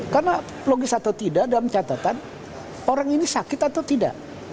karena logis atau tidak dalam catatan orang ini sakit atau tidak